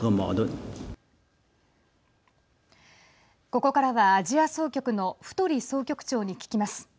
ここからは、アジア総局の太総局長に聞きます。